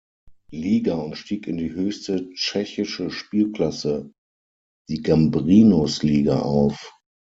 Liga und stieg in die höchste tschechische Spielklasse, die Gambrinus Liga auf.